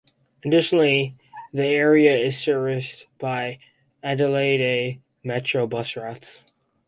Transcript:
Additionally, the area is serviced by Adelaide Metro bus routes.